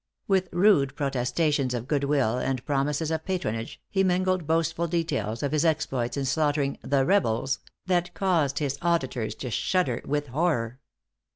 With rude protestations of good will, and promises of patronage, he mingled boastful details of his exploits in slaughtering "the rebels," that caused his auditors to shudder with horror.